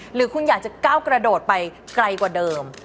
หรือคุณอยากจะก้าวกระโดดไปไกลกว่าเดิม